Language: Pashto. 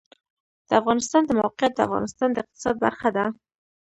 د افغانستان د موقعیت د افغانستان د اقتصاد برخه ده.